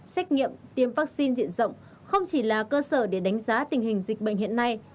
xét nghiệm tiêm vaccine diện rộng không chỉ là cơ sở để đánh giá tình hình dịch bệnh hiện nay